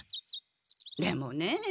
でもねえ